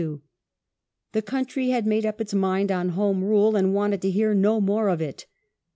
The country had made up its mind on Home Rule, and wanted to hear no more of it.